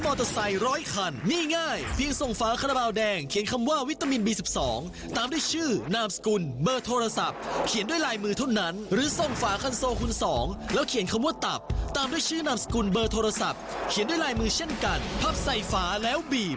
โอ้โหทั้งฝาคันระเบาแดงและฝาคันโกบหุ่นสองร่วมเป็นล้านฝา